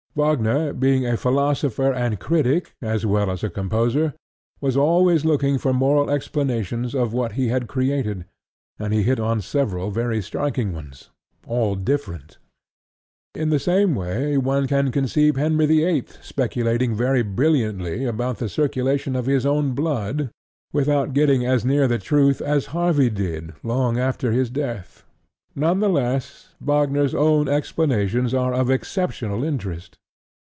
Wagner, being a philosopher and critic as well as a composer, was always looking for moral explanations of what he had created and he hit on several very striking ones, all different. In the same way one can conceive Henry the Eighth speculating very brilliantly about the circulation of his own blood without getting as near the truth as Harvey did long after his death. None the less, Wagner's own explanations are of exceptional interest.